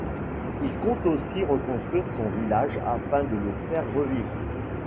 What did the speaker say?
Il compte aussi reconstruire son village afin de le faire revivre.